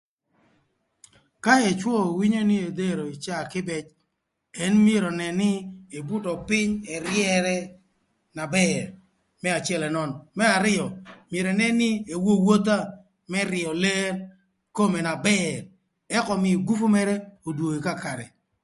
Ka ëcwö winyo nï edhero caa kïbëc ën myero önën nï ebuto pïny ëryërë na bër më acël ënön, më arïo myero ënën nï ewowotha më ryëö ler kome na bër ëk ömïï gupu mërë odwogi kakarë.